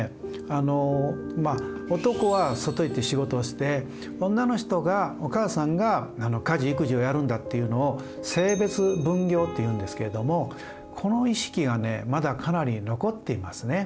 あのまあ男は外行って仕事をして女の人がお母さんが家事・育児をやるんだっていうのを性別分業っていうんですけれどもこの意識がねまだかなり残っていますね。